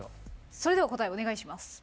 それでは答えお願いします。